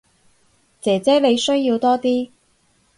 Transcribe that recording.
姐姐你需要多啲